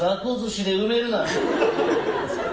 ずしで埋めるな。